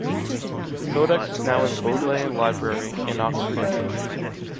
The codex is now in Bodleian Library, in Oxford, England.